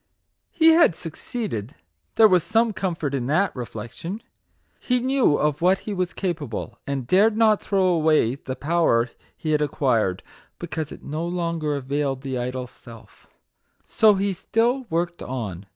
He had succeeded, there was some comfort in that reflection. He knew of what he was capable, and dared not throw away the power he had acquired, because it no longer availed the idol Self. So he still worked on.